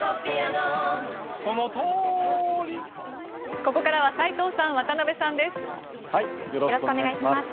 ここからは斎藤さん、渡辺さんです。